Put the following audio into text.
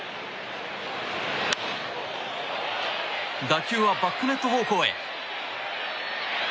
打球はバックネット方向へ。